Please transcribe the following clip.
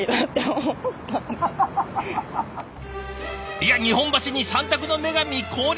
いや日本橋に三択の女神降臨。